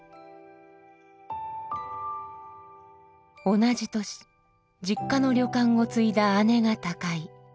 同じ年実家の旅館を継いだ姉が他界。